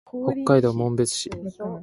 北海道紋別市